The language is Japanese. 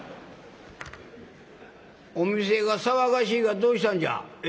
「お店が騒がしいがどうしたんじゃ？ええ？」。